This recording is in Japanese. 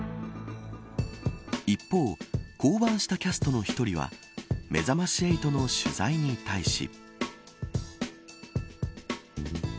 一方、降板したキャストの１人はめざまし８の取材に対し。